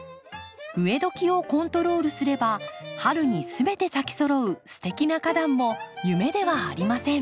植えどきをコントロールすれば春に全て咲きそろうすてきな花壇も夢ではありません。